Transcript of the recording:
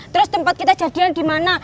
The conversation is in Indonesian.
terus tempat kita jadian dimana